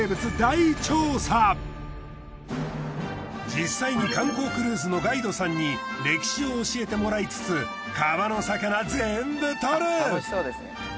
実際に観光クルーズのガイドさんに歴史を教えてもらいつつ川の魚ぜんぶ捕る！